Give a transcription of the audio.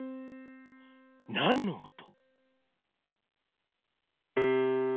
なんのおと？